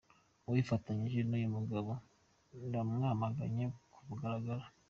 Uwifatanyije n’uyu mugabo ndamwamaganye ku mugaragaro".